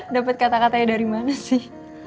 dapat kata katanya dari mana sih